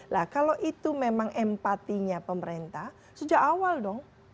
nah kalau itu memang empatinya pemerintah sejak awal dong